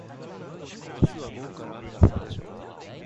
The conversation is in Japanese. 明日は午後から雨が降るでしょう。